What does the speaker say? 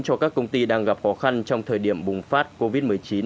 cho các công ty đang gặp khó khăn trong thời điểm bùng phát covid một mươi chín